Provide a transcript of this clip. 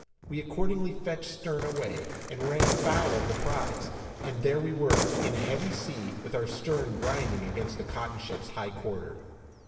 We accordingly fetched stern away, and ran foul of the prize, and there we were, in a heavy sea, with our stern grinding against the cotton ship's high quarter.